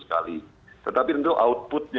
sekali tetapi untuk outputnya